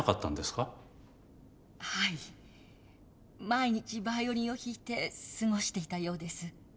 毎日バイオリンを弾いて過ごしていたようです。